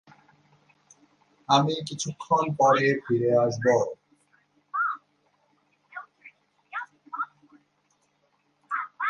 আমি কিছুক্ষণ পরে ফিরে আসব।